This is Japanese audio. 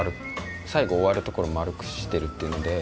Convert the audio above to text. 最後終わるところも丸くしているというので。